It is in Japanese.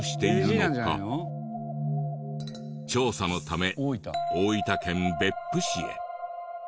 調査のため大分県別府市へ。